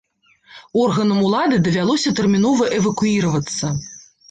Органам улады давялося тэрмінова эвакуіравацца.